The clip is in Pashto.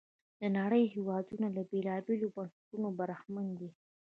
د نړۍ هېوادونه له بېلابېلو بنسټونو برخمن دي.